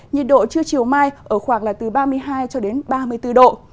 nhiệt độ trưa chiều mai ở khoảng từ ba mươi hai ba mươi bốn độ